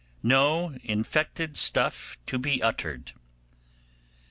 No infected Stuff to be uttered.